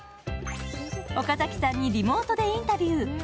岡崎さんにリモートでインタビュー。